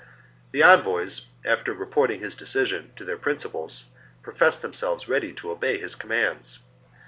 The envoys, after reporting his decision to their principals, professed themselves ready to obey his commands.